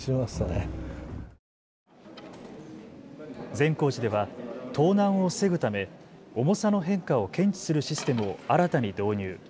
善光寺では盗難を防ぐため重さの変化を検知するシステムを新たに導入。